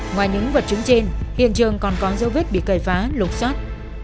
ngoài những vật chứng trên hiện trường còn có dấu vết bị cày phá lục xót